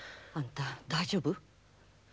あんた大丈夫？